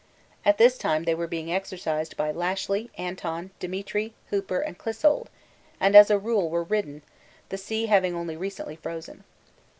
At this time they were being exercised by Lashly, Anton, Demetri, Hooper, and Clissold, and as a rule were ridden, the sea having only recently frozen.